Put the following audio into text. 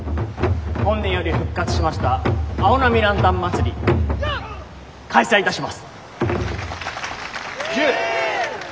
本年より復活しました青波ランタン祭り開催いたします。